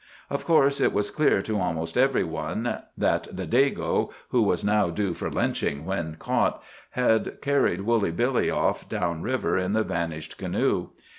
Of course, it was clear to almost every one that the "Dago"—who was now due for lynching when caught—had carried Woolly Billy off down river in the vanished canoe.